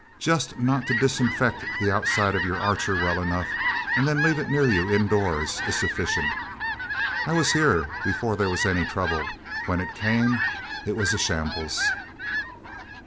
"Just not to disinfect the outside of your Archer well enough and then leave it near you, indoors, is sufficient. I was here before there was any trouble. When it came, it was a shambles..."